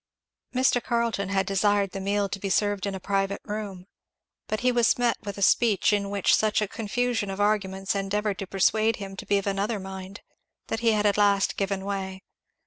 Mr. Carleton had desired the meal to be served in a private room. But he was met with a speech in which such a confusion of arguments endeavoured to persuade him to be of another mind, that he had at last given way.